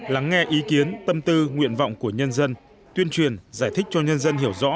lắng nghe ý kiến tâm tư nguyện vọng của nhân dân tuyên truyền giải thích cho nhân dân hiểu rõ